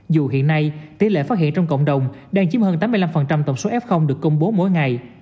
dù hiện nay tỷ lệ phát hiện trong cộng đồng đang chiếm hơn tám mươi năm tổng số f được công bố mỗi ngày